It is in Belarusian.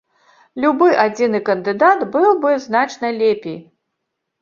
Любы адзіны кандыдат быў бы значна лепей.